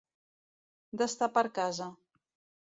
D'estar per casa.